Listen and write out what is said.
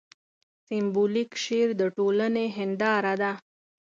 سېمبولیک شعر د ټولنې هینداره ده.